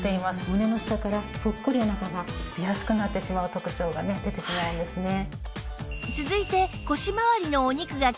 胸の下からポッコリお腹が出やすくなってしまう特徴が出てしまうんですね。